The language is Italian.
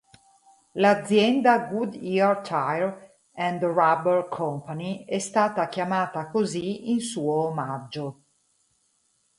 L'azienda Goodyear Tire and Rubber Company è stata chiamata così in suo omaggio.